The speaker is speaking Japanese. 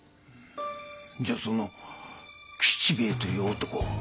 じゃあその吉兵衛という男は。